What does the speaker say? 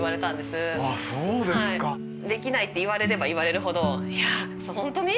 できないって言われれば言われるほどいやあほんとに？